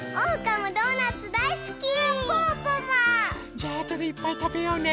じゃあとでいっぱいたべようね。